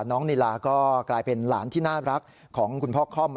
น้องนิลาก็กลายเป็นหลานที่น่ารักของคุณพ่อค่อม